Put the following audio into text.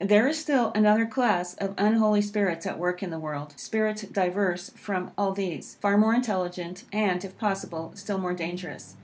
There is still another class of unholy spirits at work in the world spirits diverse from all these, far more intelligent, and, if possible, still more dangerous.